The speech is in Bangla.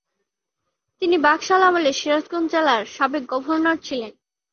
তিনি বাকশাল আমলে সিরাজগঞ্জ জেলার সাবেক গভর্নর ছিলেন।